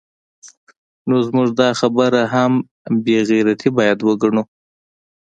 نو زموږ دا خبره هم بې غیرتي باید وګڼو